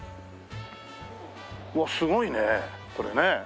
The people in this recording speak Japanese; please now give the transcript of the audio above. うわっすごいねこれね。